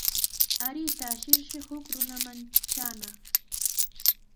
Aruyta ashirshi huk runaman traanaq.